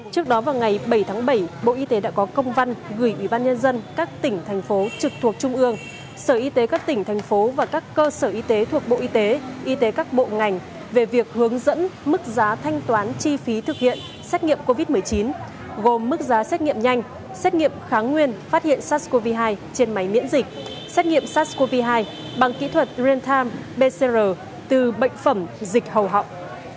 trước đó vào ngày bảy tháng bảy bộ y tế đã có công văn gửi ubnd các tỉnh thành phố trực thuộc trung ương sở y tế các tỉnh thành phố và các cơ sở y tế thuộc bộ y tế y tế các bộ ngành về việc hướng dẫn mức giá thanh toán chi phí thực hiện xét nghiệm covid một mươi chín gồm mức giá xét nghiệm nhanh xét nghiệm kháng nguyên phát hiện sars cov hai trên máy miễn dịch xét nghiệm sars cov hai bằng kỹ thuật rentam pcr từ bệnh phẩm dịch hầu họng